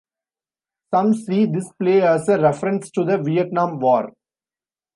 Some see this play as a reference to the Vietnam war.